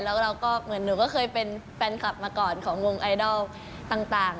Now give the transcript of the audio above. แล้วเราก็เหมือนหนูก็เคยเป็นแฟนคลับมาก่อนของวงไอดอลต่าง